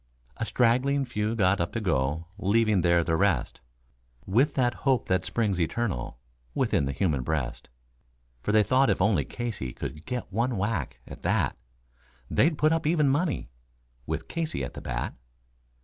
A straggling few got up to go, leaving there the rest With that hope that springs eternal within the human breast; For they thought if only Casey could get one whack, at that They'd put up even money, with Casey at the bat.